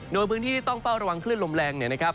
โดยพื้นที่ที่ต้องเฝ้าระวังคลื่นลมแรงเนี่ยนะครับ